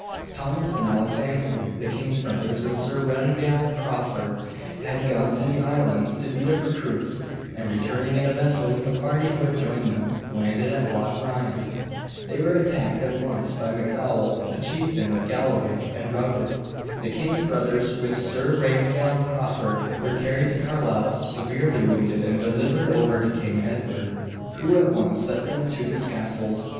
Thomas and Alexander, the king's brothers, with Sir Reginald Crawford, had gone to the islands to beat up recruits, and returning in a vessel with a party who had joined them, landed at Loch Ryan. They were attacked at once by Macdowall, a chieftain of Galloway, and routed. The king's brothers, with Sir Reginald Crawford, were carried to Carlisle severely wounded, and delivered over to King Edward, who at once sent them to the scaffold.